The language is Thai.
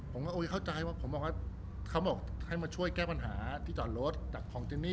ผมก็เข้าใจว่าผมบอกว่าเขาบอกให้มาช่วยแก้ปัญหาที่จอดรถจากของเจนนี่